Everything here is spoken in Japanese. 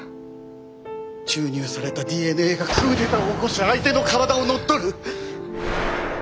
注入されたＤＮＡがクーデターを起こし相手の体を乗っ取る！